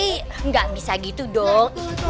eh enggak bisa gitu dok